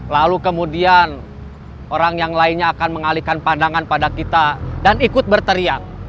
lalu kemudian orang yang lainnya akan mengalihkan pandangan pada kita dan ikut berteriak